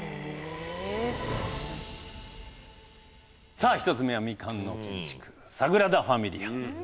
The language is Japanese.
さあ１つ目は未完の建築「サグラダ・ファミリア」。